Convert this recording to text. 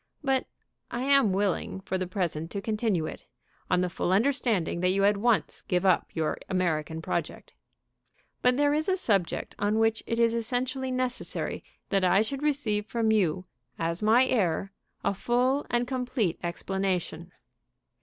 But I am willing for the present to continue it, on the full understanding that you at once give up your American project. "But there is a subject on which it is essentially necessary that I should receive from you, as my heir, a full and complete explanation.